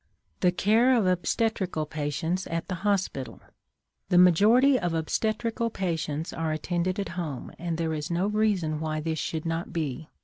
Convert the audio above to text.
THE CARE OF OBSTETRICAL PATIENTS AT THE HOSPITAL. The majority of obstetrical patients are attended at home, and there is no reason why this should not be.